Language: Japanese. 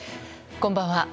こんばんは。